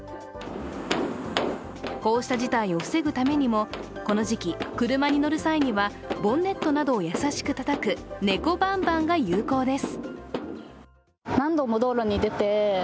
こうした事態を防ぐためにもこの時期、車に乗る際にはボンネットなどを優しくたたく猫バンバンが有効です。